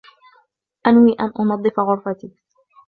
أنوي أن أنظف غرفتي.